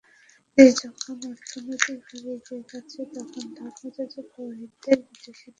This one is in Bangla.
দেশ যখন অর্থনৈতিকভাবে এগিয়ে যাচ্ছে তখনই ধর্মযাজক, পুরোহিতসহ বিদেশিদের হত্যা করা হচ্ছে।